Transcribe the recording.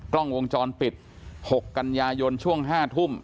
กล้องวงจรปิด๖กันยายนช่วง๕ทุ่ม